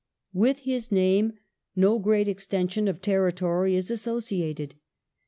Constitu With his name no gi*eat extension of tenitory is associated.